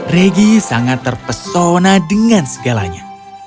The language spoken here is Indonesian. regi sangat terpesona dengan segalanya